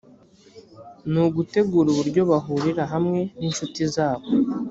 ni ugutegura uburyo bahurira hamwe n incuti zabo